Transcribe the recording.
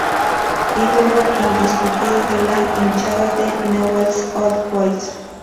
Ídolo indiscutido de la hinchada de Newell's Old Boys.